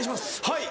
はい！